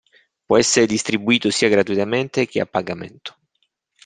Può essere distribuito sia gratuitamente che a pagamento.